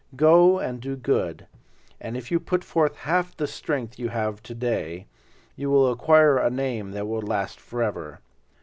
Go and do good, and if you put forth half the strength you have to day, you will acquire a name that will last forever.